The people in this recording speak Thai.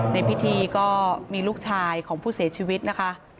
ในพิธีก็มีลูกชายของผู้เสียชีวิตนะคะ